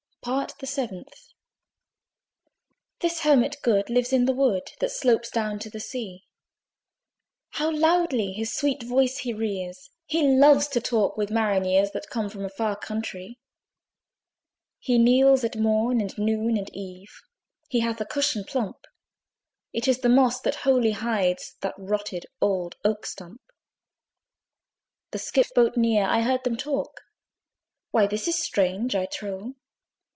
PART THE SEVENTH. This Hermit good lives in that wood Which slopes down to the sea. How loudly his sweet voice he rears! He loves to talk with marineres That come from a far countree. He kneels at morn and noon and eve He hath a cushion plump: It is the moss that wholly hides The rotted old oak stump. The skiff boat neared: I heard them talk, "Why this is strange, I trow!